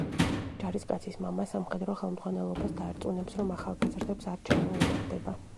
ჯარისკაცის მამა სამხედრო ხელმძღვანელობას დაარწმუნებს, რომ ახალგაზრდებს არ ჩამოუვარდება.